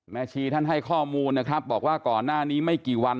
ชีท่านให้ข้อมูลนะครับบอกว่าก่อนหน้านี้ไม่กี่วัน